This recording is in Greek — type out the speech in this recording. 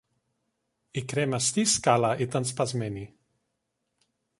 Η κρεμαστή σκάλα ήταν σπασμένη